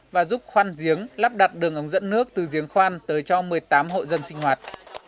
và giúp khoan giếng lắp đặt đường ống dẫn nước từ giếng khoan tới cho một mươi tám hộ dân sinh hoạt